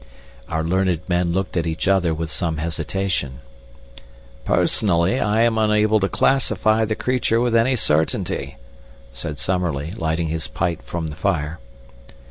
Our learned men looked at each other with some hesitation. "Personally, I am unable to classify the creature with any certainty," said Summerlee, lighting his pipe from the fire.